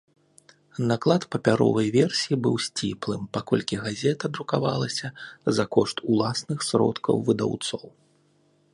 Наклад папяровай версіі быў сціплым, паколькі газета друкавалася за кошт уласных сродкаў выдаўцоў.